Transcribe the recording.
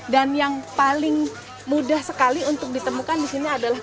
dan yang paling mudah sekali untuk ditemukan di sini adalah